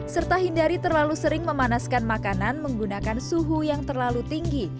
serta hindari terlalu sering memanaskan makanan menggunakan suhu yang terlalu tinggi